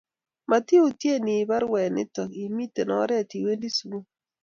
matiyutien iib baruwt nito imite oret iwendi sukul